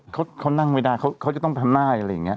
เขานั่งไม่ได้เขาจะต้องทำได้อะไรอย่างนี้